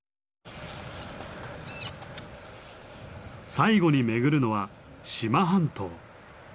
最後に巡るのは志摩半島。